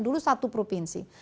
dulu satu provinsi